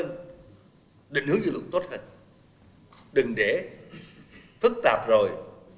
nhưng đừng hướng dự luận tốt hơn đừng để thức tạp rồi